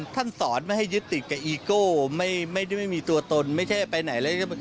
ท่านสอนไม่ให้ยึดติดกับอีโก้ไม่มีตัวตนไม่ใช่ไปไหนแล้ว